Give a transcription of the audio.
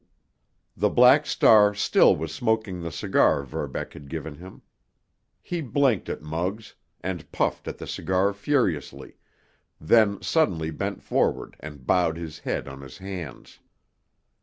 The Black Star still was smoking the cigar Verbeck had given him. He blinked at Muggs, and puffed at the cigar furiously, then suddenly bent forward and bowed his head on his hands.